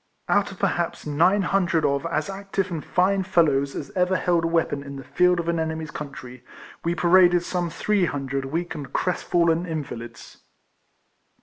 Out of perhaps nine hundred of as active and fine fellows as ever held a weapon in the field of an enemy's country, we paraded some three hundred weak and crest fallen invalids.